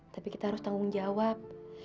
tapi kita harus tanggung jawab